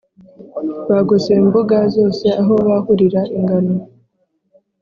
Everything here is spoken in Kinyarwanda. bagose imbuga zose aho bahurira ingano